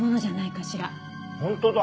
本当だ。